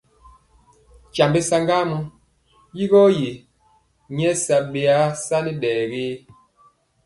Nkyambe saŋgamɔ! Yigɔ ye yi byɔ sa ɗɛ ge?